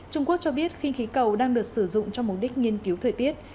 trung quốc cho biết khinh khí cầu đang được sử dụng cho mục đích nghiên cứu thời tiết